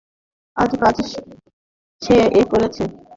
তার কাজ সে করেছে, যেমন সমাজসংস্কার।